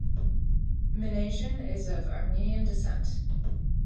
Minasian is of Armenian descent.